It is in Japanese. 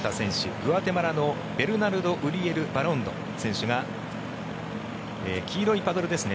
グアテマラのベルナルド・ウリエル・バロンド選手が黄色いパドルですね